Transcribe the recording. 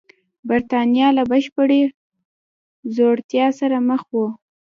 برېټانیا له بشپړې ځوړتیا سره مخ وه.